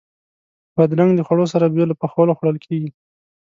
بادرنګ د خوړو سره بې له پخولو خوړل کېږي.